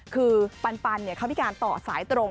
คือปานเนี่ยเขาคนต่อสายตรง